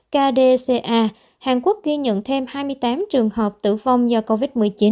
kdca hàn quốc ghi nhận thêm hai mươi tám trường hợp tử vong do covid một mươi chín